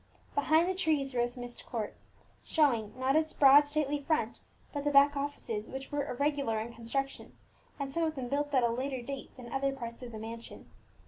Behind the trees rose Myst Court, showing, not its broad stately front, but the back offices, which were irregular in construction, and some of them built at a later date than other parts of the mansion.